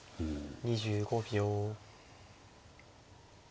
２５秒。